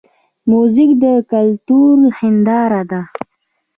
موزیک د کلتور هنداره ده.